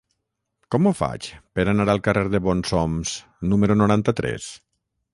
Com ho faig per anar al carrer de Bonsoms número noranta-tres?